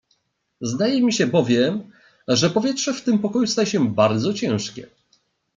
"Zdaje mi się bowiem, że powietrze w tym pokoju staje się bardzo ciężkie."